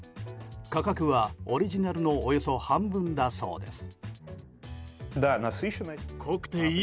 価格はオリジナルのおよそ半分だそうです。